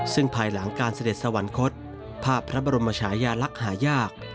ซึ่งภายหลังการเสด็จสวรรคตภาพพระบรมชายาลักษณ์หายาก